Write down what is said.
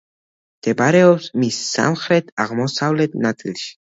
მდებარეობს მის სამხრეთ-აღმოსავლეთ ნაწილში.